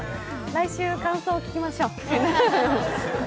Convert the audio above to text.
来週、感想を聞きましょう。